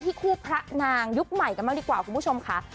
ที่คู่พระนางยุกต์ใหม่กันมากดีกว่ายุคผู้ชมคะ